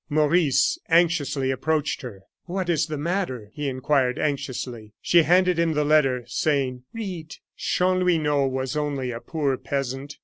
Maurice anxiously approached her. "What is the matter?" he inquired anxiously. She handed him the letter, saying: "Read." Chanlouineau was only a poor peasant.